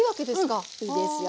うんいいですよ。